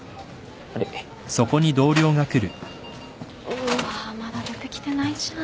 うわまだ出てきてないじゃん。